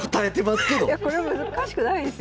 これ難しくないですよ。